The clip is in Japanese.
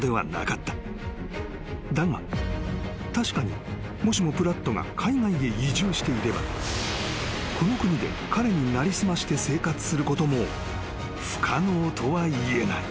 ［だが確かにもしもプラットが海外へ移住していればこの国で彼に成り済まして生活することも不可能とは言えない］